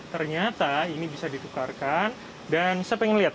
ternyata ini bisa ditukarkan dan saya pengen lihat